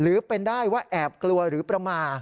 หรือเป็นได้ว่าแอบกลัวหรือประมาท